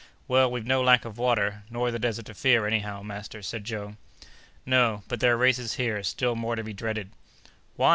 "Well, we've no lack of water, nor the desert to fear, anyhow, master," said Joe. "No; but there are races here still more to be dreaded." "Why!"